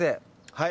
はい。